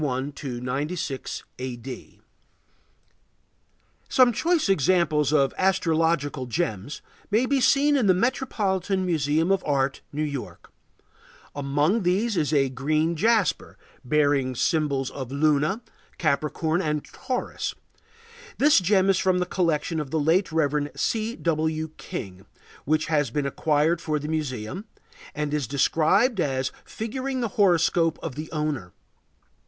Some choice examples of astrological gems may be seen in the Metropolitan Museum of Art, New York; among these is a green jasper bearing symbols of Luna, Capricorn, and Taurus. This gem is from the collection of the late Rev. C. W. King, which has been acquired for the Museum, and is described as figuring the horoscope of the owner.